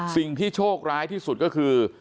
สิ่งที่โชคร้ายที่สุดก็คือ